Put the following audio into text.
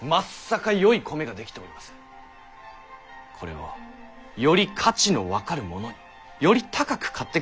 これをより価値の分かる者により高く買ってくれる者に売るのです。